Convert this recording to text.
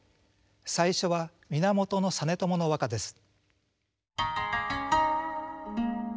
最初は源実朝の和歌です。